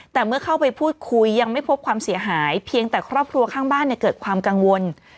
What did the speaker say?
แต่เมื่อเข้าไปพูดคุยยังไม่พบความเสียหายเพียงแต่ครอบครัวข้างบ้านเกิดความกังวล